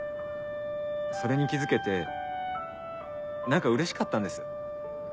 それに気付けて何かうれしかったんです。